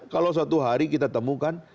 kalau suatu hari kita temukan